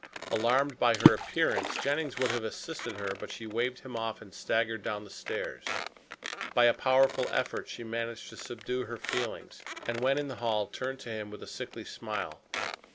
Alarmed by her appearance, Jennings would have assisted her, but she waved him off and staggered down the stairs. By a powerful effort she managed to subdue her feelings, and when in the hall turned to him with a sickly smile.